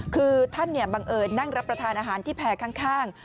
คือท่านบังเอิญนั่งรับประทานอาหารที่แพร่ข้าง